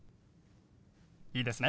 いいですね？